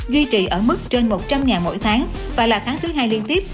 duy trì ở mức trên một trăm linh mỗi tháng và là tháng thứ hai liên tiếp